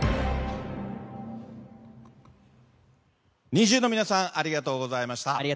ＮｉｚｉＵ の皆さんありがとうございました。